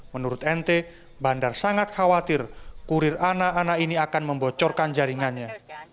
menurut nt bandar sangat khawatir kurir anak anak ini akan membocorkan jaringannya